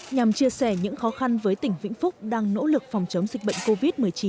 nhằm chia sẻ những khó khăn với tỉnh vĩnh phúc đang nỗ lực phòng chống dịch bệnh covid một mươi chín